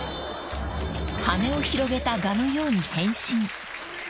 ［羽を広げたガのように変身］